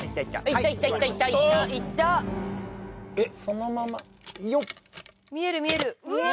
そのままよっ見える見えるうわ！